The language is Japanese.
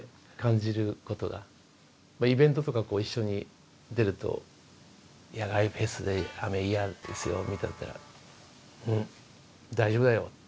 イベントとか一緒に出ると野外フェスで「雨嫌ですよ」みたいになったら「うん大丈夫だよ」。